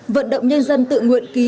vận động nhân dân tự nguyện ký